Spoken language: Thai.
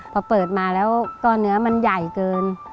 พอเปิดมาแล้วก็เนื้อมันใหญ่เกิน